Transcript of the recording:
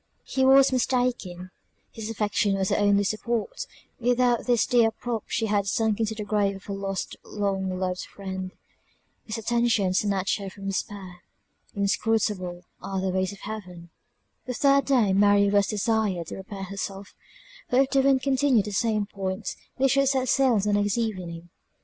He was mistaken; his affection was her only support; without this dear prop she had sunk into the grave of her lost long loved friend; his attention snatched her from despair. Inscrutable are the ways of Heaven! The third day Mary was desired to prepare herself; for if the wind continued in the same point, they should set sail the next evening.